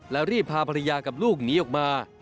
แล้วรีบพาภรรยากับลูกหนีออกมา